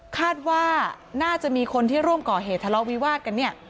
คาดว่าน่าจะมีคนที่ร่วมก่อเหตุทะเลาะวิวาสกันเนี่ย